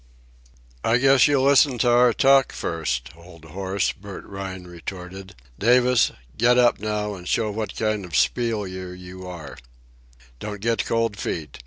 "I guess you'll listen to our talk, first, old horse," Bert Rhine retorted. "—Davis, get up now and show what kind of a spieler you are. Don't get cold feet.